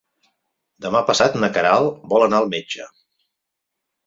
Demà passat na Queralt vol anar al metge.